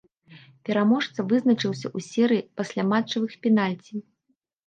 Пераможца вызначыўся ў серыі пасляматчавых пенальці.